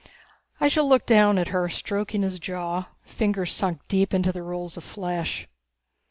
Ihjel looked down at her, stroking his jaw, fingers sunk deep into the rolls of flesh.